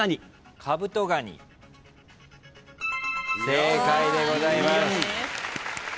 正解でございます。